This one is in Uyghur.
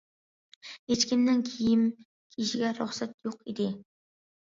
ھېچكىمنىڭ كىيىم كىيىشىگە رۇخسەت يوق ئىدى.